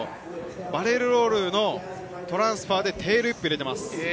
バレルロールのトランスファーでテールウィップを入れています。